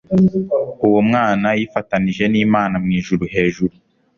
uwo mwana yifatanije n'imana mwijuru hejuru